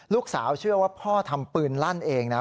ลูกสาวเชื่อว่าพ่อทำปืนลั่นเองนะครับ